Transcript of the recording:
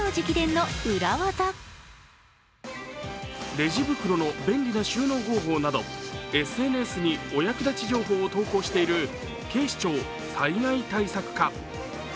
レジ袋の便利な収納方法などＳＮＳにお役立ち情報を投稿している警視庁災害対策課。